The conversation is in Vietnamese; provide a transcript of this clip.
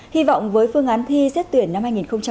hy vọng với phương án thi xét tuyển năm hai nghìn một mươi bảy